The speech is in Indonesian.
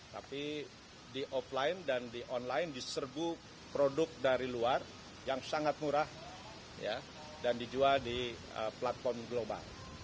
tapi di offline dan di online diserbu produk dari luar yang sangat murah dan dijual di platform global